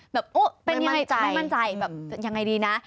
แบบเป็นอย่างไรไม่มั่นใจแบบอย่างไรดีนะ